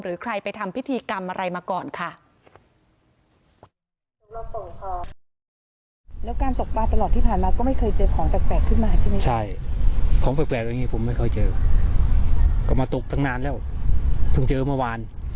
ใครไปทำพิธีกรรมอะไรมาก่อนค่ะ